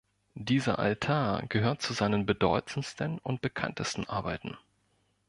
Dieser Altar gehört zu seinen bedeutendsten und bekanntesten Arbeiten.